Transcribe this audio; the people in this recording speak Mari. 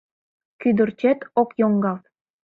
Кӱдырчет ок йоҥгалт